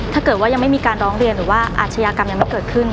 ถ้าเกิดว่ายังไม่มีการร้องเรียนหรือว่าอาชญากรรมยังไม่เกิดขึ้น